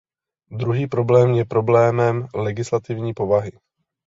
Druhý problém je problémem legislativní povahy.